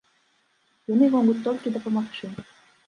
Яны могуць толькі дапамагчы.